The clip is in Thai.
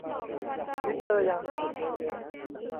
ทวิตเตอร์ยัง